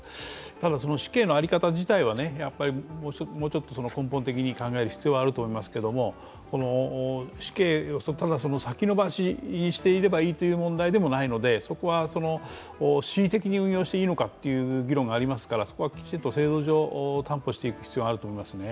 ただ死刑の在り方自体はもうちょっと根本的に考える必要はあると思いますけどただ死刑を先延ばしにしていればいいという問題でもないので、そこは恣意的に運用していいのかという議論がありますから、そこはきちんと制度上担保していく必要があると思いますね。